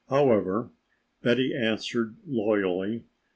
However, Betty answered loyally.